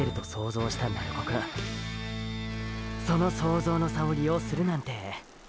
その想像の差を利用するなんて。